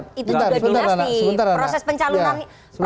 tetep saja itu itu juga dinasti